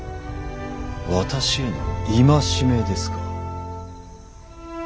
私への戒めですか。